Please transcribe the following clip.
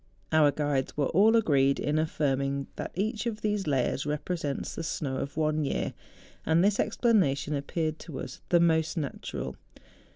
Our guides were all agreed in affirming that each of these layers represents the snow of one year; and this explanation appeared to us the most natural.